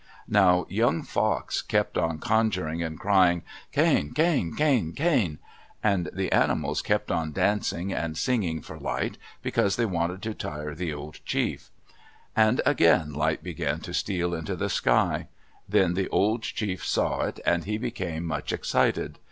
Now young Fox kept on conjuring and crying, Khain, khain, khain, khain! and the animals kept on dancing and singing for light, because they wanted to tire the old chief. And again light began to steal into the sky. Then the old chief saw it and he became much excited.